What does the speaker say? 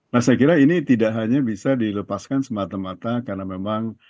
nah saya kira ini tidak hanya bisa dilepaskan semata mata karena memang